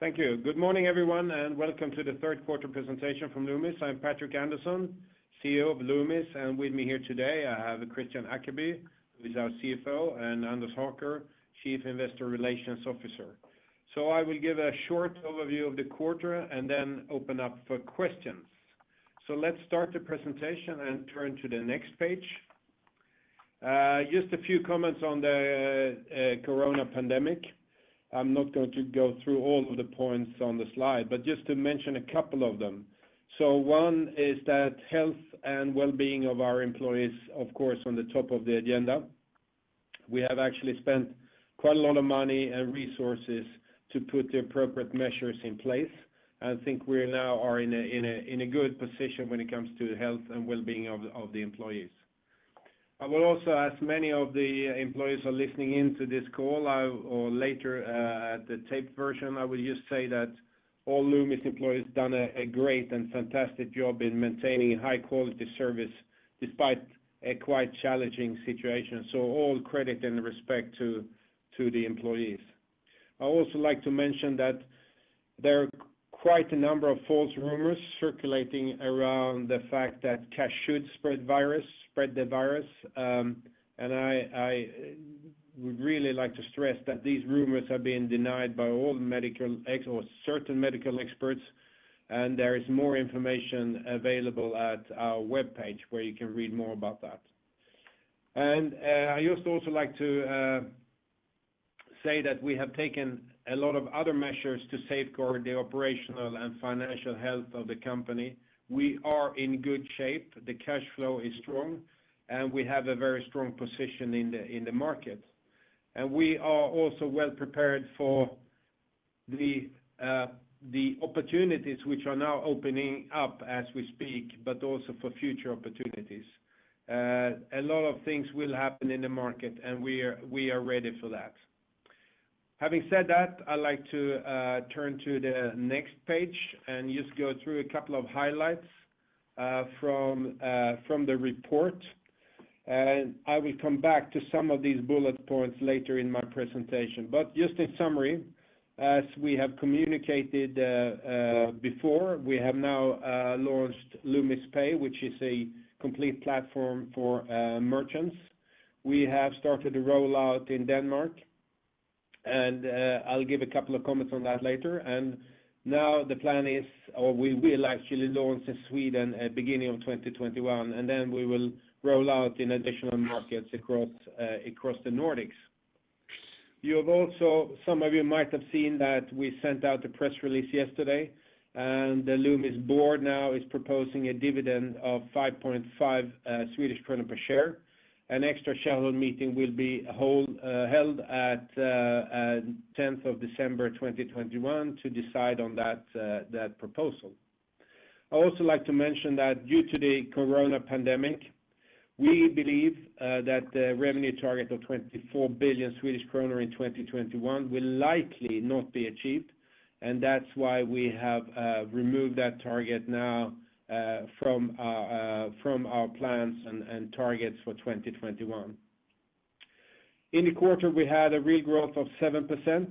Thank you. Good morning, everyone, and welcome to the third quarter presentation from Loomis. I'm Patrik Andersson, CEO of Loomis, and with me here today, I have Kristian Ackeby, who is our CFO, and Anders Håker, Chief Investor Relations Officer. I will give a short overview of the quarter and then open up for questions. Let's start the presentation and turn to the next page. Just a few comments on the coronavirus pandemic. I'm not going to go through all of the points on the slide, but just to mention a couple of them. One is that health and wellbeing of our employees, of course, on the top of the agenda. We have actually spent quite a lot of money and resources to put the appropriate measures in place, and think we now are in a good position when it comes to health and wellbeing of the employees. I will also ask many of the employees who are listening in to this call or later at the taped version, I will just say that all Loomis employees done a great and fantastic job in maintaining high quality service despite a quite challenging situation. All credit and respect to the employees. I also like to mention that there are quite a number of false rumors circulating around the fact that cash should spread the virus. I would really like to stress that these rumors are being denied by all medical or certain medical experts, and there is more information available at our webpage where you can read more about that. I used to also like to say that we have taken a lot of other measures to safeguard the operational and financial health of the company. We are in good shape. The cash flow is strong, and we have a very strong position in the market. We are also well prepared for the opportunities which are now opening up as we speak, but also for future opportunities. A lot of things will happen in the market, and we are ready for that. Having said that, I'd like to turn to the next page and just go through a couple of highlights from the report. I will come back to some of these bullet points later in my presentation. Just in summary, as we have communicated before, we have now launched Loomis Pay, which is a complete platform for merchants. We have started a rollout in Denmark. I'll give a couple of comments on that later. Now the plan is, or we will actually launch in Sweden at beginning of 2021. Then we will roll out in additional markets across the Nordics. Some of you might have seen that we sent out a press release yesterday. The Loomis board now is proposing a dividend of 5.5 Swedish kronor per share. An extra shareholder meeting will be held at 10th of December 2021 to decide on that proposal. I also like to mention that due to the coronavirus pandemic, we believe that the revenue target of 24 billion Swedish kronor in 2021 will likely not be achieved. That's why we have removed that target now from our plans and targets for 2021. In the quarter, we had a real growth of 7%.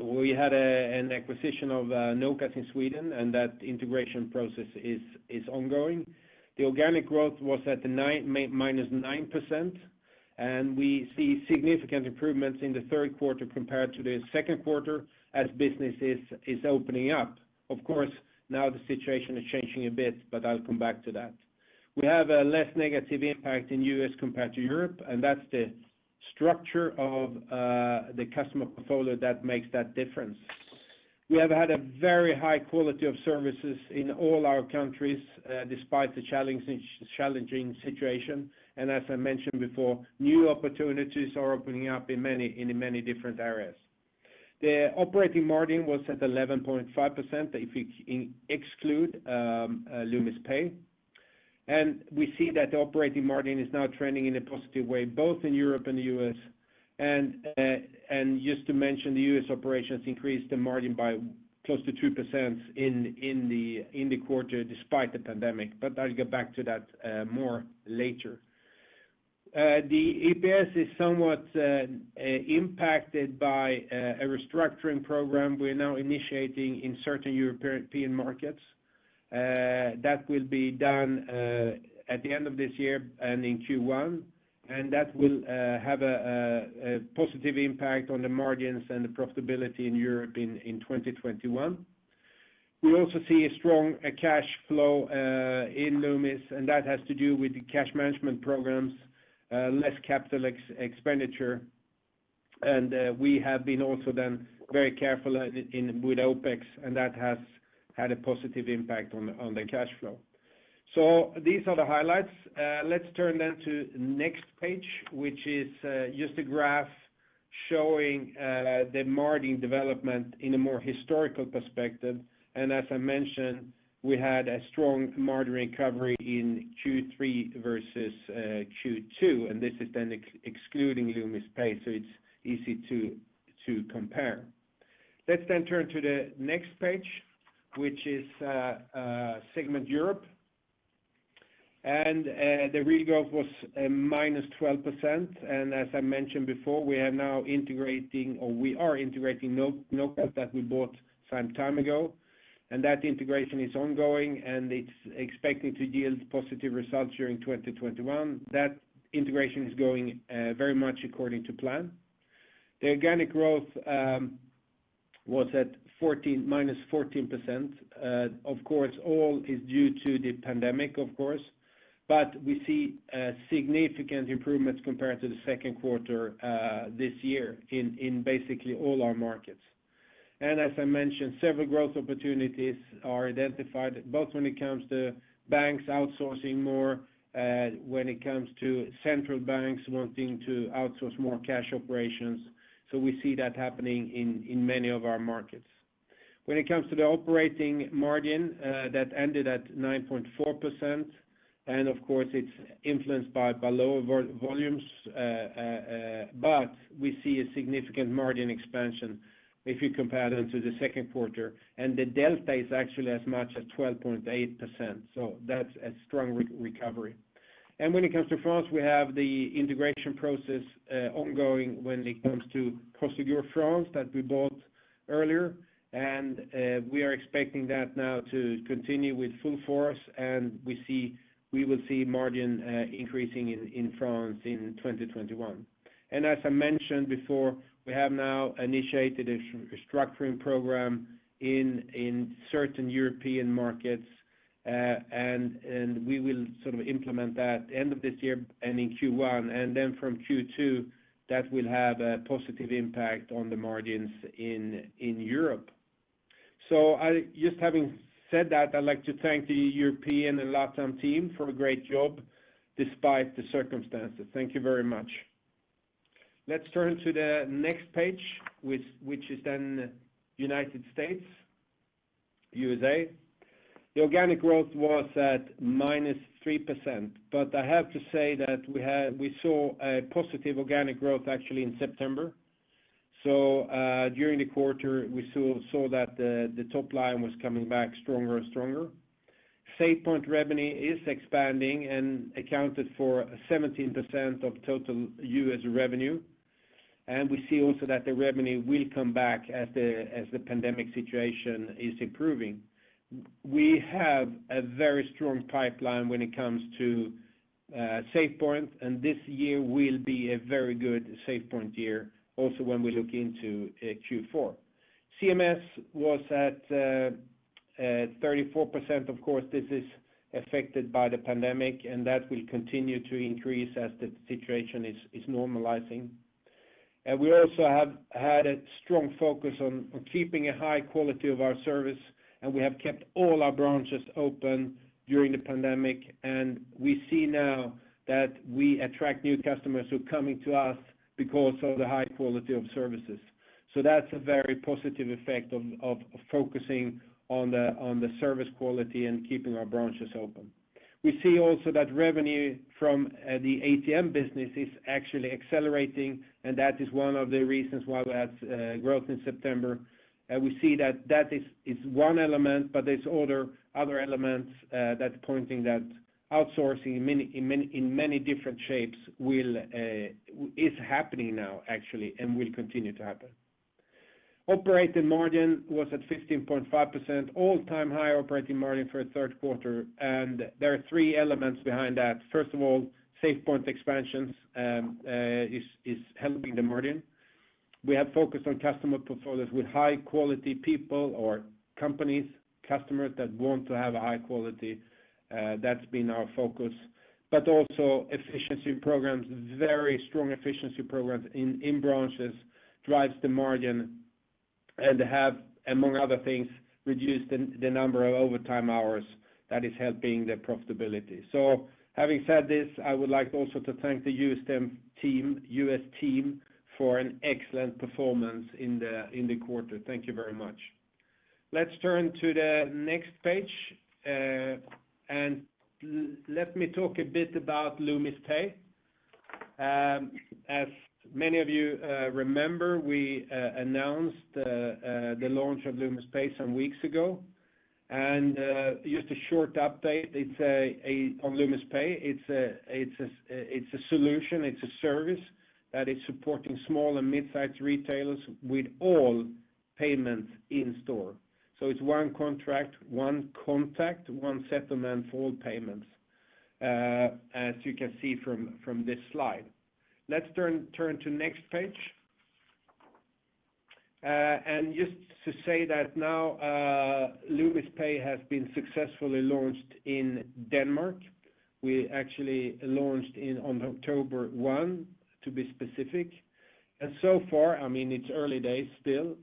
We had an acquisition of Nokas Värdehantering AB in Sweden, and that integration process is ongoing. The organic growth was at -9%, and we see significant improvements in the third quarter compared to the second quarter as business is opening up. Of course, now the situation is changing a bit, but I'll come back to that. We have a less negative impact in U.S. compared to Europe, and that's the structure of the customer portfolio that makes that difference. We have had a very high quality of services in all our countries despite the challenging situation. As I mentioned before, new opportunities are opening up in many different areas. The operating margin was at 11.5% if you exclude Loomis Pay. We see that the operating margin is now trending in a positive way, both in Europe and the U.S. Just to mention, the U.S. operations increased the margin by close to 2% in the quarter despite the pandemic. I'll get back to that more later. The EPS is somewhat impacted by a restructuring program we're now initiating in certain European markets. That will be done at the end of this year and in Q1. That will have a positive impact on the margins and the profitability in Europe in 2021. We also see a strong cash flow in Loomis, and that has to do with the cash management programs, less CapEx. We have been also then very careful with OpEx, and that has had a positive impact on the cash flow. These are the highlights. Let's turn then to next page, which is just a graph showing the margin development in a more historical perspective. As I mentioned, we had a strong margin recovery in Q3 versus Q2, this is excluding Loomis Pay, it's easy to compare. Let's turn to the next page, which is Segment Europe. The real growth was a -12%. As I mentioned before, we are integrating Nokas Värdehantering AB that we bought some time ago, that integration is ongoing, it's expected to yield positive results during 2021. That integration is going very much according to plan. The organic growth was at -14%. Of course, all is due to the pandemic, we see significant improvements compared to the second quarter this year in basically all our markets. As I mentioned, several growth opportunities are identified, both when it comes to banks outsourcing more, when it comes to central banks wanting to outsource more cash operations. We see that happening in many of our markets. When it comes to the operating margin, that ended at 9.4%, and of course, it's influenced by lower volumes. We see a significant margin expansion if you compare them to the second quarter, and the delta is actually as much as 12.8%, so that's a strong recovery. When it comes to France, we have the integration process ongoing when it comes to Prosegur Cash France that we bought earlier. We are expecting that now to continue with full force, and we will see margin increasing in France in 2021. As I mentioned before, we have now initiated a restructuring program in certain European markets, and we will implement that end of this year and in Q1, and then from Q2, that will have a positive impact on the margins in Europe. Just having said that, I'd like to thank the European and LATAM team for a great job despite the circumstances. Thank you very much. Let's turn to the next page, which is then United States, USA. The organic growth was at -3%, but I have to say that we saw a positive organic growth actually in September. During the quarter, we saw that the top line was coming back stronger and stronger. SafePoint revenue is expanding and accounted for 17% of total US revenue. We see also that the revenue will come back as the pandemic situation is improving. We have a very strong pipeline when it comes to SafePoint, and this year will be a very good SafePoint year also when we look into Q4. CMS was at 34%. Of course, this is affected by the pandemic, and that will continue to increase as the situation is normalizing. We also have had a strong focus on keeping a high quality of our service, and we have kept all our branches open during the pandemic, and we see now that we attract new customers who are coming to us because of the high quality of services. That's a very positive effect of focusing on the service quality and keeping our branches open. We see also that revenue from the ATM business is actually accelerating, and that is one of the reasons why we had growth in September. We see that is one element, but there's other elements that's pointing that outsourcing in many different shapes is happening now actually and will continue to happen. Operating margin was at 15.5%, all-time high operating margin for a third quarter. There are three elements behind that. First of all, SafePoint expansions is helping the margin. We have focused on customer portfolios with high quality people or companies, customers that want to have a high quality. That's been our focus. Also efficiency programs, very strong efficiency programs in branches drives the margin and have, among other things, reduced the number of overtime hours that is helping the profitability. Having said this, I would like also to thank the U.S. team for an excellent performance in the quarter. Thank you very much. Let's turn to the next page, and let me talk a bit about Loomis Pay. As many of you remember, we announced the launch of Loomis Pay some weeks ago. Just a short update on Loomis Pay. It's a solution, it's a service that is supporting small and mid-sized retailers with all payments in store. It's one contract, one contact, one settlement for all payments, as you can see from this slide. Let's turn to next page. Just to say that now Loomis Pay has been successfully launched in Denmark. We actually launched on October 1, to be specific. It's early days still.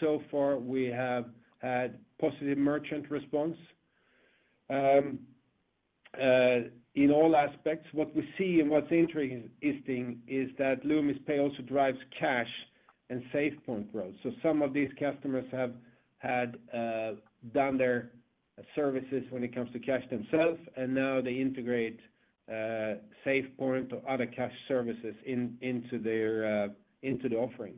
So far we have had positive merchant response in all aspects. What we see and what's interesting is that Loomis Pay also drives cash and SafePoint growth. Some of these customers have had done their services when it comes to cash themselves, and now they integrate SafePoint or other cash services into the offering.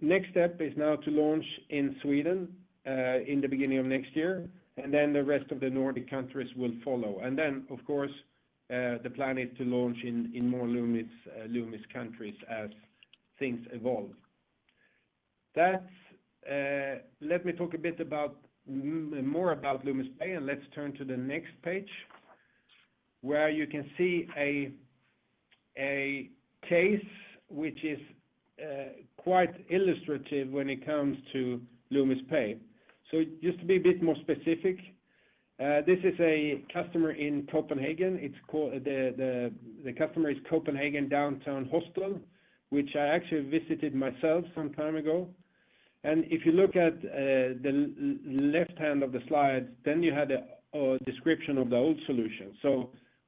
Next step is now to launch in Sweden in the beginning of next year, and then the rest of the Nordic countries will follow. Of course, the plan is to launch in more Loomis countries as things evolve. Let me talk a bit more about Loomis Pay, let's turn to the next page, where you can see a case which is quite illustrative when it comes to Loomis Pay. Just to be a bit more specific, this is a customer in Copenhagen. The customer is Copenhagen Downtown Hostel, which I actually visited myself some time ago. If you look at the left hand of the slide, you have a description of the old solution.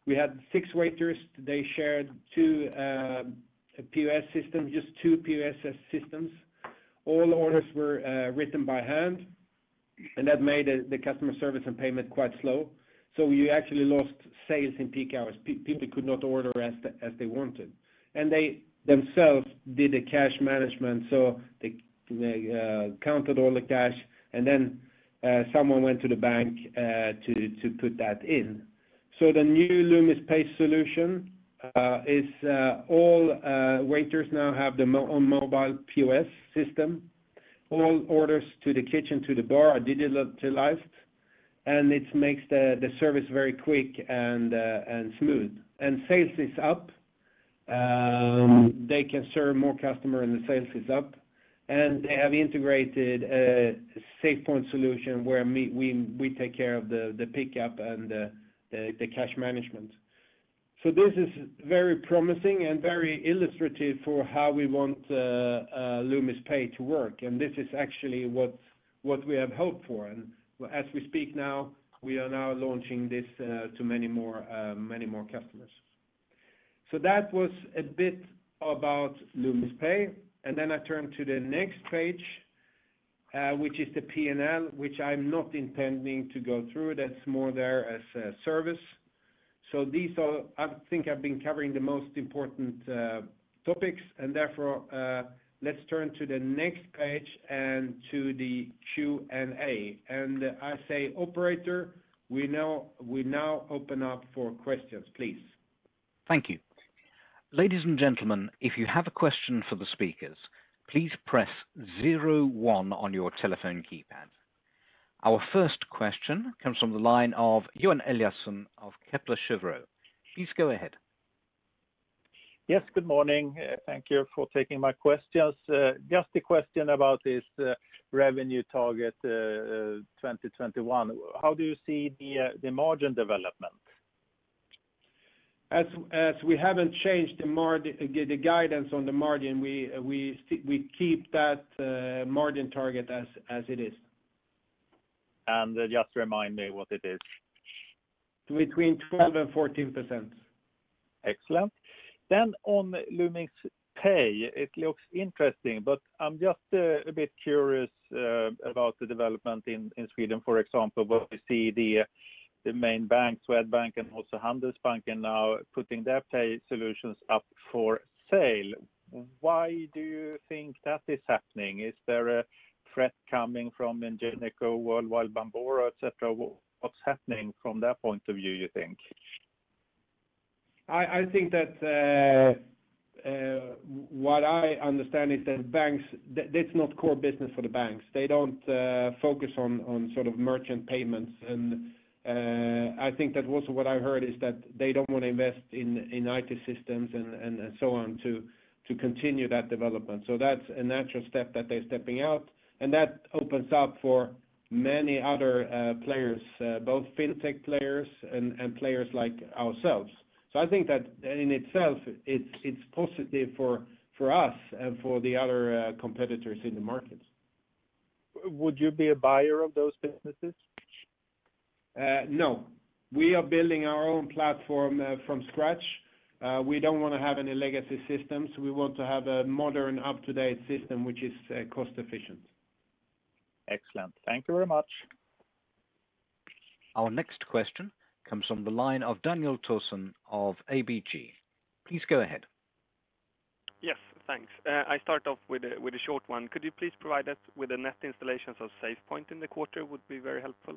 We had six waiters. They shared two POS systems. All orders were written by hand, that made the customer service and payment quite slow. You actually lost sales in peak hours. People could not order as they wanted. They themselves did the cash management. They counted all the cash, and then someone went to the bank to put that in. The new Loomis Pay solution is all waiters now have their own mobile POS system. All orders to the kitchen, to the bar are digitalized, and it makes the service very quick and smooth. Sales is up. They can serve more customer, and the sales is up, and they have integrated a SafePoint solution where we take care of the pickup and the cash management. This is very promising and very illustrative for how we want Loomis Pay to work. This is actually what we have hoped for. As we speak now, we are now launching this to many more customers. That was a bit about Loomis Pay. I turn to the next page, which is the P&L, which I'm not intending to go through. That's more there as a service. I think I've been covering the most important topics, and therefore, let's turn to the next page and to the Q&A. I say, operator, we now open up for questions, please. Thank you. Ladies and gentlemen, if you have a question for the speakers, please press zero one on your telephone keypad. Our first question comes from the line of Johan Eliason of Kepler Cheuvreux. Please go ahead. Yes, good morning. Thank you for taking my questions. Just a question about this revenue target 2021. How do you see the margin development? As we haven't changed the guidance on the margin, we keep that margin target as it is. Just remind me what it is? Between 12% and 14%. Excellent. On Loomis Pay, it looks interesting, but I'm just a bit curious about the development in Sweden, for example, where we see the main banks, Swedbank and also Handelsbanken now putting their pay solutions up for sale. Why do you think that is happening? Is there a threat coming from Ingenico, Worldline, Bambora, et cetera? What's happening from that point of view, you think? I think that what I understand is that that's not core business for the banks. They don't focus on merchant payments, and I think that also what I heard is that they don't want to invest in IT systems and so on to continue that development. That's a natural step that they're stepping out, and that opens up for many other players, both fintech players and players like ourselves. I think that in itself, it's positive for us and for the other competitors in the market. Would you be a buyer of those businesses? No. We are building our own platform from scratch. We don't want to have any legacy systems. We want to have a modern up-to-date system which is cost-efficient. Excellent. Thank you very much. Our next question comes from the line of Daniel Thorsson of ABG. Please go ahead. Yes, thanks. I start off with a short one. Could you please provide us with the net installations of SafePoint in the quarter would be very helpful.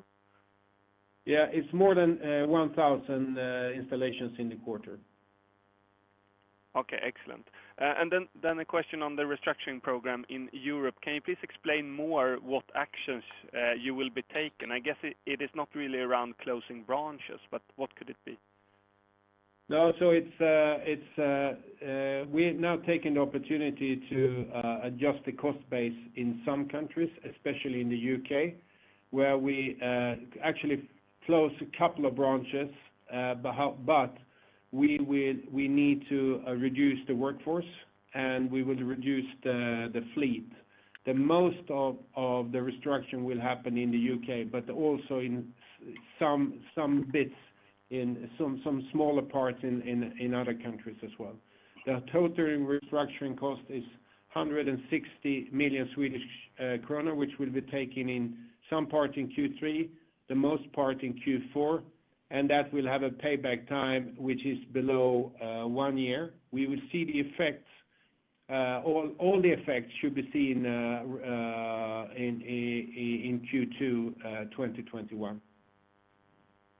Yeah, it's more than 1,000 installations in the quarter. Okay, excellent. A question on the restructuring program in Europe. Can you please explain more what actions you will be taking? I guess it is not really around closing branches, but what could it be? We have now taken the opportunity to adjust the cost base in some countries, especially in the U.K., where we actually close a couple of branches. We need to reduce the workforce, and we would reduce the fleet. The most of the restructuring will happen in the U.K., but also in some smaller parts in other countries as well. The total restructuring cost is 160 million Swedish kronor, which will be taken in some part in Q3, the most part in Q4. That will have a payback time which is below one year. We will see the effects, all the effects should be seen in Q2 2021.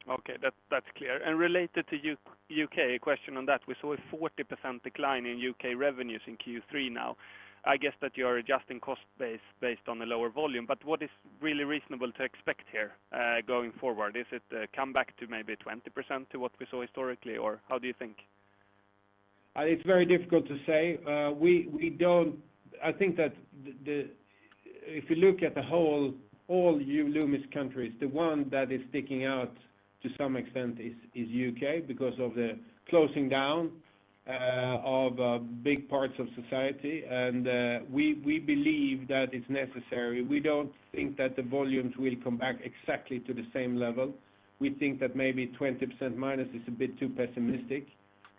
Okay. That's clear. Related to U.K., a question on that. We saw a 40% decline in U.K. revenues in Q3 now. I guess that you're adjusting cost base based on the lower volume, but what is really reasonable to expect here, going forward? Is it a comeback to maybe 20% to what we saw historically, or how do you think? It's very difficult to say. If you look at the whole Loomis countries, the one that is sticking out to some extent is U.K. because of the closing down of big parts of society. We believe that it's necessary. We don't think that the volumes will come back exactly to the same level. We think that maybe 20% minus is a bit too pessimistic,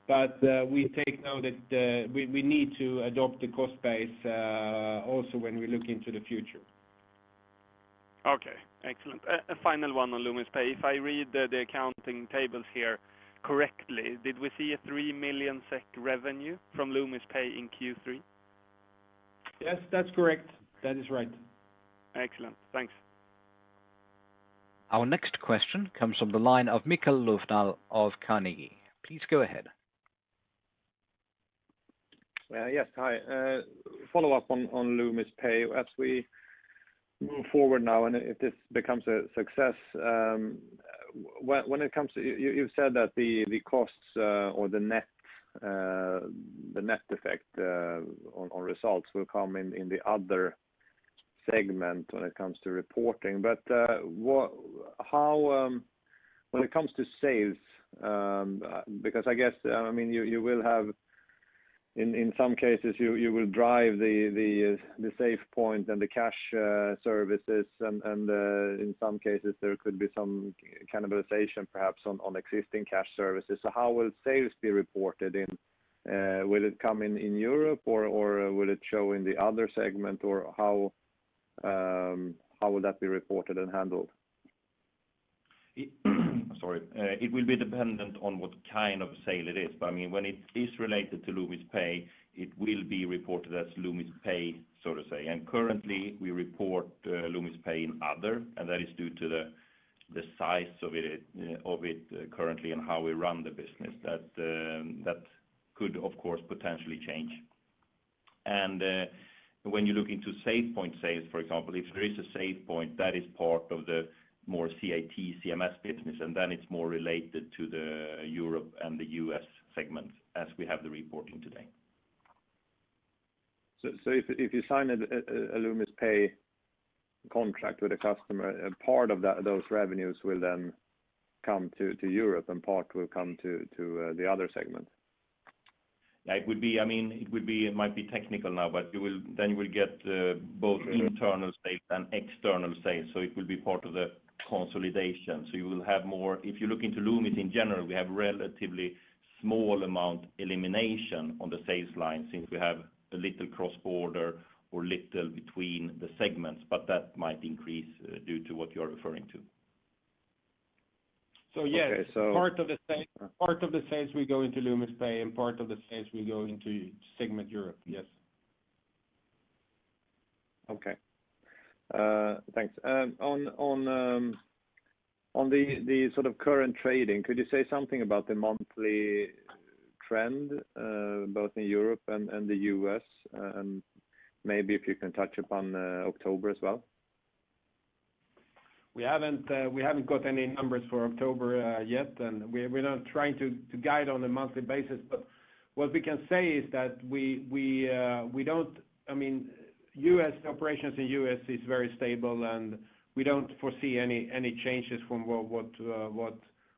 but we take note that we need to adopt the cost base also when we look into the future. Okay. Excellent. A final one on Loomis Pay. If I read the accounting tables here correctly, did we see a 3 million SEK revenue from Loomis Pay in Q3? Yes, that's correct. That is right. Excellent. Thanks. Our next question comes from the line of Mikael Löfdahl of Carnegie. Please go ahead. Yes. Hi. Follow-up on Loomis Pay. As we move forward now, if this becomes a success, you've said that the costs or the net effect on results will come in the other segment when it comes to reporting. When it comes to sales, because in some cases you will drive the SafePoint and the cash services, in some cases there could be some cannibalization perhaps on existing cash services. How will sales be reported in? Will it come in in Europe or will it show in the other segment? How will that be reported and handled? Sorry. It will be dependent on what kind of sale it is. When it is related to Loomis Pay, it will be reported as Loomis Pay, so to say. Currently we report Loomis Pay in other, and that is due to the size of it currently and how we run the business. That could, of course, potentially change. When you look into SafePoint sales, for example, if there is a SafePoint, that is part of the more CIT CMS business, and then it's more related to the Europe and the U.S. segments as we have the reporting today. If you sign a Loomis Pay contract with a customer, part of those revenues will then come to Europe and part will come to the other segment? It might be technical now. You will get both internal sales and external sales, so it will be part of the consolidation. You will have more. If you look into Loomis in general, we have relatively small amount elimination on the sales line since we have a little cross-border or little between the segments, but that might increase due to what you're referring to. Okay. Yes, part of the sales will go into Loomis Pay and part of the sales will go into Segment Europe. Yes. Okay. Thanks. On the sort of current trading, could you say something about the monthly trend, both in Europe and the U.S., and maybe if you can touch upon October as well? We haven't got any numbers for October yet, and we're not trying to guide on a monthly basis. What we can say is that operations in U.S. is very stable, and we don't foresee any changes from what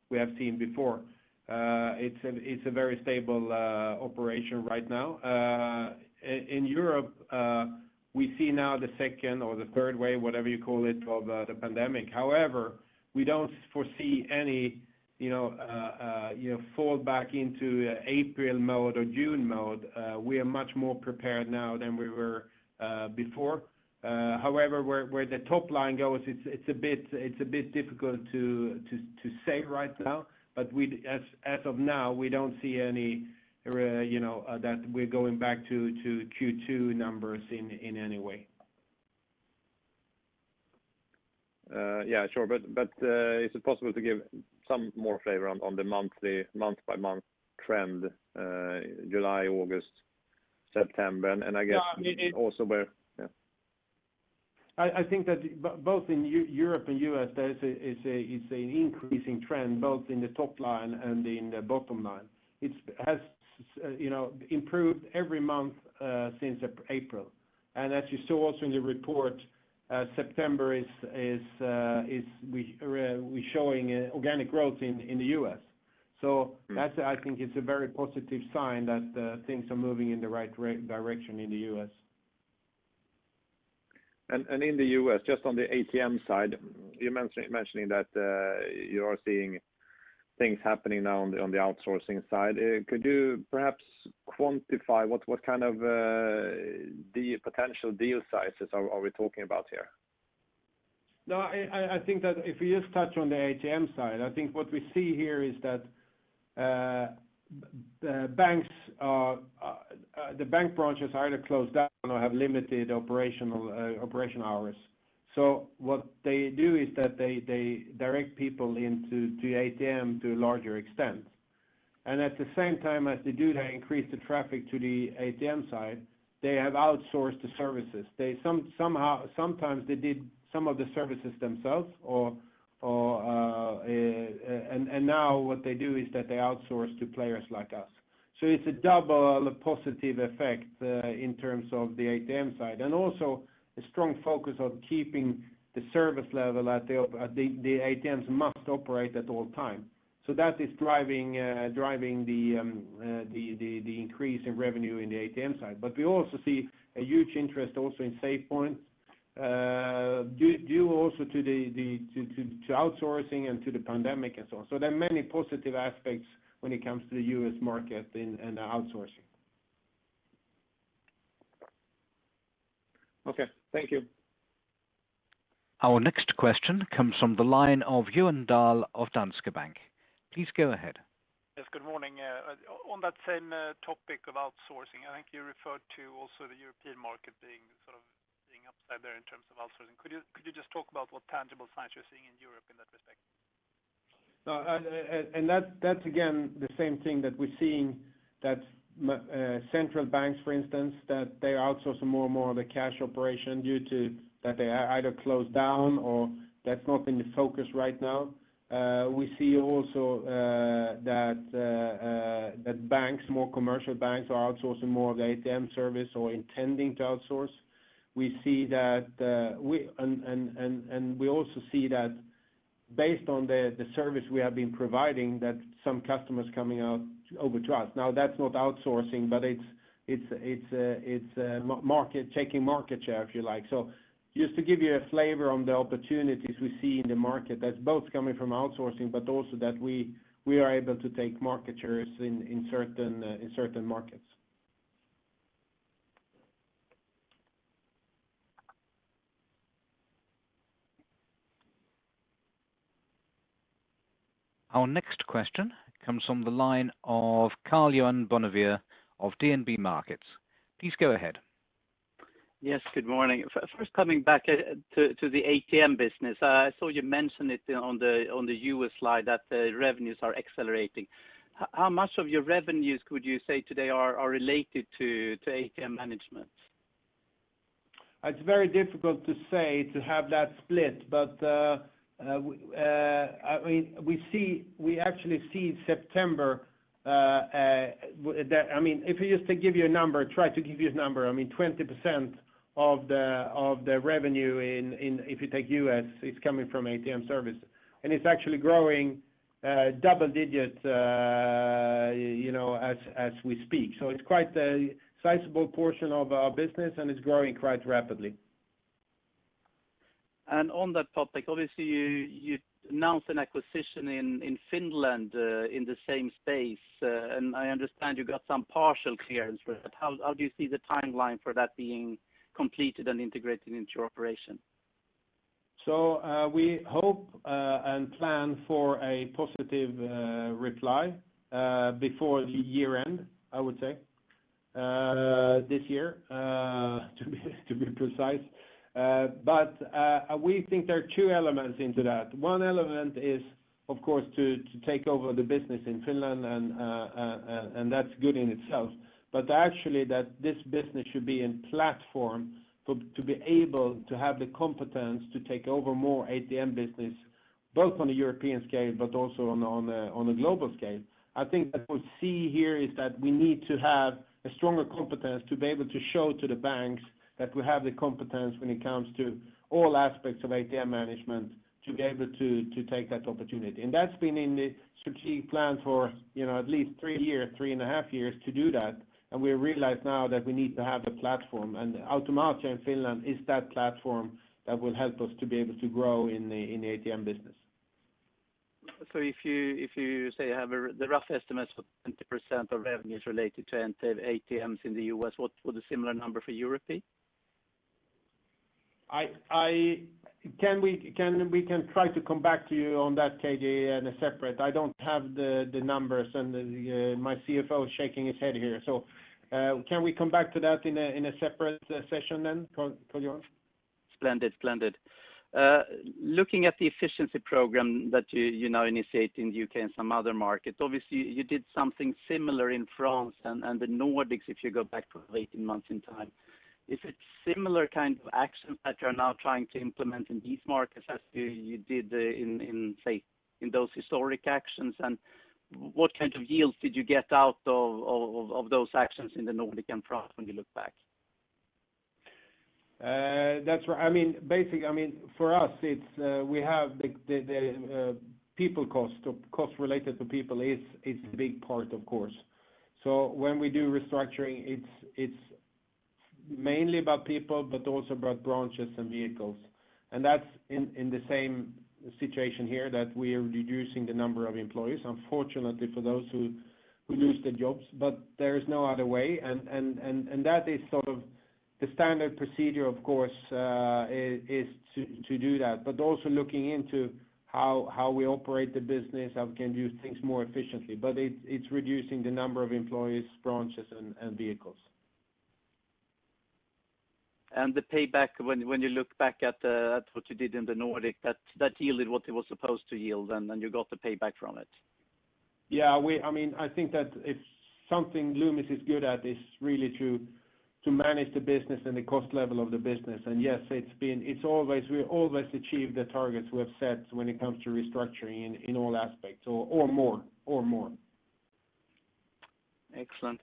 we have seen before. It's a very stable operation right now. In Europe, we see now the second or the third wave, whatever you call it, of the pandemic. However, we don't foresee any fall back into April mode or June mode. We are much more prepared now than we were before. However, where the top line goes, it's a bit difficult to say right now. As of now, we don't see any that we're going back to Q2 numbers in any way. Yeah, sure. Is it possible to give some more flavor on the month-by-month trend? July, August, September? I think that both in Europe and U.S., there is an increasing trend both in the top line and in the bottom line. It has improved every month since April. As you saw also in the report, September, we're showing organic growth in the U.S. That I think is a very positive sign that things are moving in the right direction in the U.S. In the U.S., just on the ATM side, you're mentioning that you are seeing things happening now on the outsourcing side. Could you perhaps quantify what kind of potential deal sizes are we talking about here? No, I think that if we just touch on the ATM side, I think what we see here is that the bank branches are either closed down or have limited operational hours. What they do is that they direct people into the ATM to a larger extent. At the same time as they do, they increase the traffic to the ATM side, they have outsourced the services. Sometimes they did some of the services themselves, and now what they do is that they outsource to players like us. It's a double positive effect, in terms of the ATM side, and also a strong focus on keeping the service level at the ATMs must operate at all time. That is driving the increase in revenue in the ATM side. We also see a huge interest also in SafePoint, due also to outsourcing and to the pandemic and so on. There are many positive aspects when it comes to the U.S. market and outsourcing. Okay. Thank you. Our next question comes from the line of Johan Dahl of Danske Bank. Please go ahead. Yes, good morning. On that same topic of outsourcing, I think you referred to also the European market being upside there in terms of outsourcing. Could you just talk about what tangible signs you're seeing in Europe in that respect? That's again, the same thing that we're seeing, that central banks, for instance, that they outsource some more of the cash operation due to that they either closed down or that's not been the focus right now. We see also that more commercial banks are outsourcing more of the ATM service or intending to outsource. We also see that based on the service we have been providing, that some customers coming over to us. Now, that's not outsourcing, but it's taking market share, if you like. Just to give you a flavor on the opportunities we see in the market, that's both coming from outsourcing, but also that we are able to take market shares in certain markets. Our next question comes from the line of Karl-Johan Bonnevier of DNB Markets. Please go ahead. Yes, good morning. First, coming back to the ATM business. I saw you mention it on the U.S. slide that the revenues are accelerating. How much of your revenues could you say today are related to ATM management? It's very difficult to say, to have that split. We actually see September, if just to give you a number, try to give you a number, 20% of the revenue if you take U.S., it's coming from ATM service. It's actually growing double digits as we speak. It's quite a sizable portion of our business, and it's growing quite rapidly. On that topic, obviously, you announced an acquisition in Finland, in the same space. I understand you got some partial clearance for that. How do you see the timeline for that being completed and integrated into operation? We hope, and plan for a positive reply before the year-end, I would say this year, to be precise. We think there are two elements into that. One element is, of course, to take over the business in Finland, and that's good in itself, but actually that this business should be in platform to be able to have the competence to take over more ATM business, both on a European scale, but also on a global scale. I think that we see here is that we need to have a stronger competence to be able to show to the banks that we have the competence when it comes to all aspects of ATM management, to be able to take that opportunity. That's been in the strategic plan for at least three and a half years to do that. We realize now that we need to have the platform, and Automatia Pankkiautomaatit Oy in Finland is that platform that will help us to be able to grow in the ATM business. If you say you have the rough estimates for 20% of revenues related to ATMs in the U.S., what was a similar number for European? We can try to come back to you on that, KJ. I don't have the numbers, and my CFO is shaking his head here. Can we come back to that in a separate session then, Karl-Johan? Splendid. Looking at the efficiency program that you now initiate in the U.K. and some other markets, obviously, you did something similar in France and the Nordics, if you go back to 18 months in time. Is it similar kind of action that you're now trying to implement in these markets as you did in those historic actions? What kind of yields did you get out of those actions in the Nordic and France when you look back? That's right. For us, we have the people cost related to people is a big part, of course. When we do restructuring, it's mainly about people, but also about branches and vehicles. That's in the same situation here, that we are reducing the number of employees, unfortunately for those who lose their jobs, but there is no other way. That is the standard procedure, of course, is to do that. Also looking into how we operate the business, how we can do things more efficiently. It's reducing the number of employees, branches, and vehicles. The payback when you look back at what you did in the Nordic, that yielded what it was supposed to yield and you got the payback from it? Yeah. I think that if something Loomis is good at, is really to manage the business and the cost level of the business. Yes, we always achieve the targets we have set when it comes to restructuring in all aspects, or more. Excellent.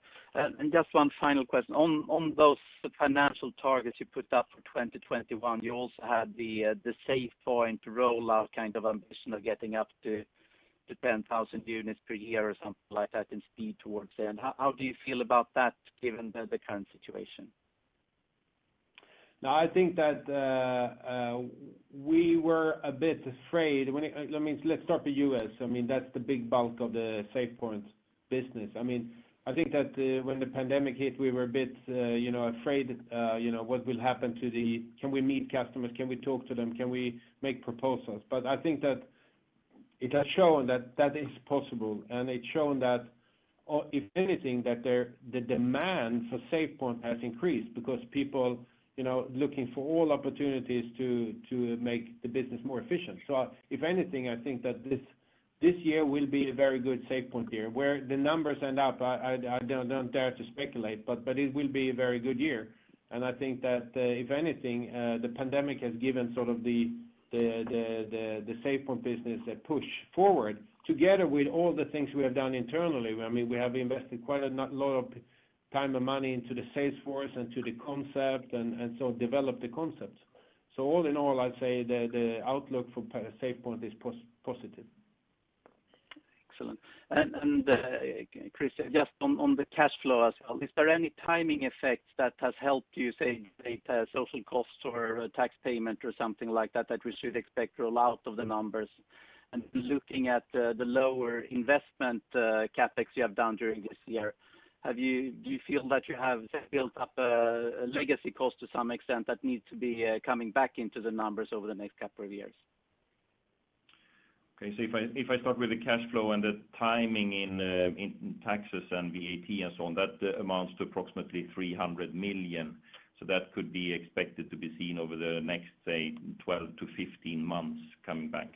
Just one final question. On those financial targets you put up for 2021, you also had the SafePoint rollout ambition of getting up to 10,000 units per year or something like that, and speed towards there. How do you feel about that given the current situation? No, I think that we were a bit afraid. Let's start with U.S. That's the big bulk of the SafePoint business. I think that when the pandemic hit, we were a bit afraid. Can we meet customers? Can we talk to them? Can we make proposals? I think that it has shown that that is possible. It's shown that, if anything, that the demand for SafePoint has increased because people looking for all opportunities to make the business more efficient. If anything, I think that this year will be a very good SafePoint year. Where the numbers end up, I don't dare to speculate, but it will be a very good year. I think that, if anything, the pandemic has given the SafePoint business a push forward together with all the things we have done internally. We have invested quite a lot of time and money into the sales force and to the concept, developed the concepts. All in all, I'd say the outlook for SafePoint is positive. Excellent. Kristian, just on the cash flow as well, is there any timing effect that has helped you, say, social costs or tax payment or something like that we should expect roll out of the numbers? Looking at the lower investment CapEx you have done during this year, do you feel that you have built up a legacy cost to some extent that needs to be coming back into the numbers over the next couple of years? If I start with the cash flow and the timing in taxes and VAT and so on, that amounts to approximately 300 million. That could be expected to be seen over the next, say, 12-15 months coming back.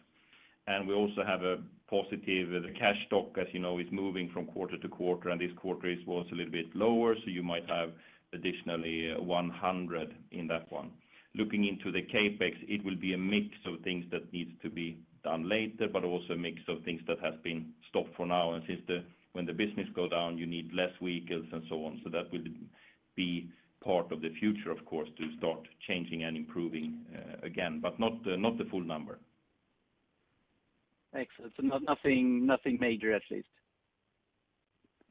We also have a positive cash stock, as you know, is moving from quarter to quarter, this quarter it was a little bit lower, you might have additionally 100 in that one. Looking into the CapEx, it will be a mix of things that needs to be done later, also a mix of things that have been stopped for now, since when the business go down, you need less vehicles and so on. That will be part of the future, of course, to start changing and improving again, not the full number. Excellent. Nothing major, at least?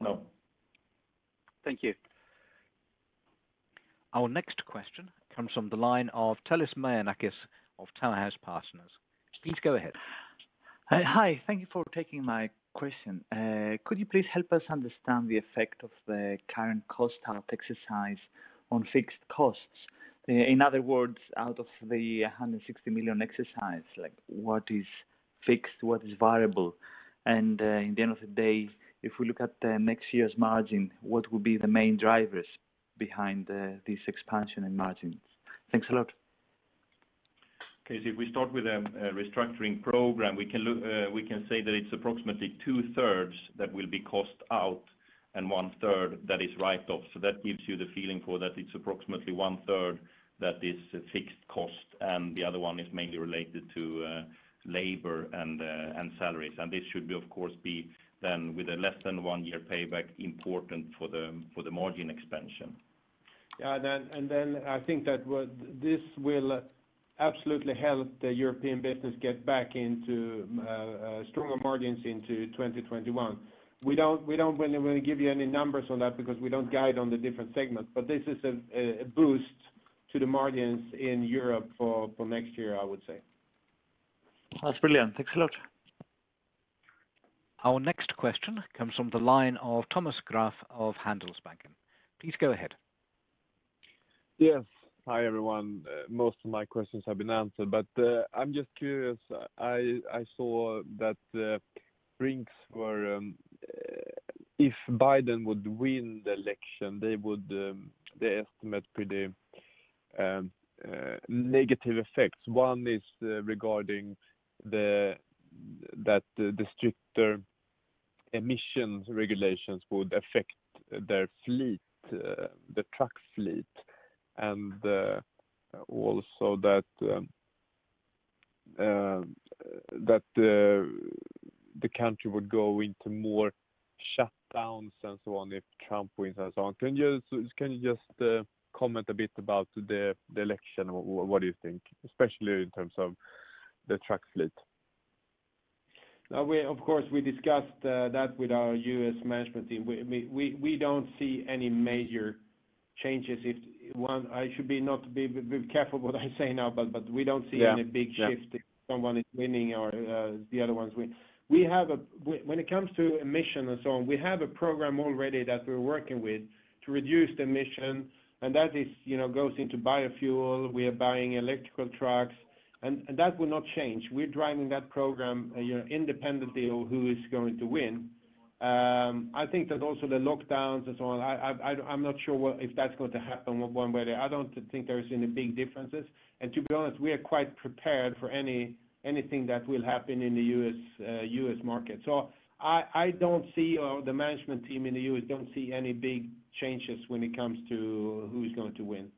No. Thank you. Our next question comes from the line of (Telis Menakes of Talas Partners). Please go ahead. Hi. Thank you for taking my question. Could you please help us understand the effect of the current cost out exercise on fixed costs? In other words, out of the 160 million exercise, what is fixed, what is variable? In the end of the day, if we look at next year's margin, what will be the main drivers behind this expansion in margins? Thanks a lot. Okay. If we start with a restructuring program, we can say that it's approximately two-thirds that will be cost out and one-third that is write-off. That gives you the feeling for that it's approximately one-third that is fixed cost and the other one is mainly related to labor and salaries. This should of course be then with a less than one year payback important for the margin expansion. Yeah, I think that this will absolutely help the European business get back into stronger margins into 2021. We don't want to give you any numbers on that because we don't guide on the different segments, but this is a boost to the margins in Europe for next year, I would say. That's brilliant. Thanks a lot. Our next question comes from the line of Thomas Graf of Handelsbanken. Please go ahead. Yes. Hi, everyone. Most of my questions have been answered, but I'm just curious. I saw that Brink's were, if Biden would win the election, they estimate pretty negative effects. One is regarding that the stricter emissions regulations would affect their fleet, the truck fleet, and also that the country would go into more shutdowns and so on if Trump wins and so on. Can you just comment a bit about the election? What do you think? Especially in terms of the truck fleet. Of course, we discussed that with our U.S. management team. We don't see any major changes if I should be careful what I say now, but we don't see any big shift if someone is winning or the other ones win. When it comes to emissions and so on, we have a program already that we're working with to reduce the emissions, and that goes into biofuel, we are buying electrical trucks, and that will not change. We're driving that program independently of who is going to win. I think that also the lockdowns and so on, I'm not sure if that's going to happen one way or the other. I don't think there's any big differences. To be honest, we are quite prepared for anything that will happen in the U.S. market. I don't see, or the management team in the U.S. don't see any big changes when it comes to who's going to win.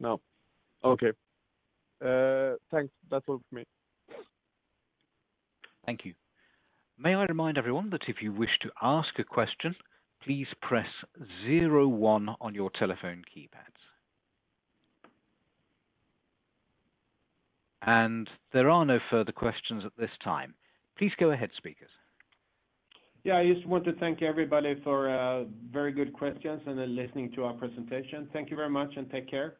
No. Okay. Thanks. That's all from me. Thank you. May I remind everyone that if you wish to ask a question, please press 01 on your telephone keypads. There are no further questions at this time. Please go ahead, speakers. Yeah, I just want to thank everybody for very good questions and listening to our presentation. Thank you very much and take care.